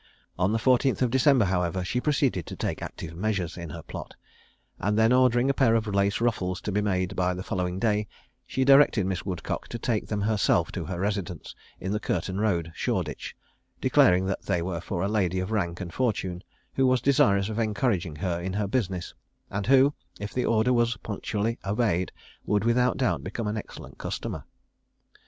On the 14th of December, however, she proceeded to take active measures in her plot; and then ordering a pair of lace ruffles to be made by the following day, she directed Miss Woodcock to take them herself to her residence in the Curtain road, Shoreditch, declaring that they were for a lady of rank and fortune, who was desirous of encouraging her in her business, and who, if the order was punctually obeyed, would, without doubt, become an excellent customer.